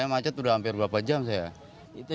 macet udah hampir berapa jam saya itu